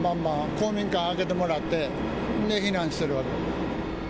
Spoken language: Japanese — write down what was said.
公民館、開けてもらって避難した。